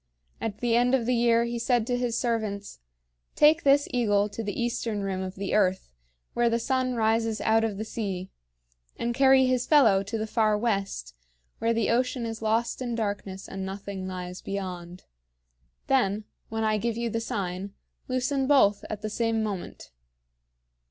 At the end of the year he said to his servants: "Take this eagle to the eastern rim of the earth, where the sun rises out of the sea; and carry his fellow to the far west, where the ocean is lost in darkness and nothing lies beyond. Then, when I give you the sign, loosen both at the same moment."